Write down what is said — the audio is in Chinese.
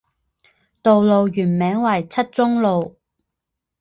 道路原名为七中路。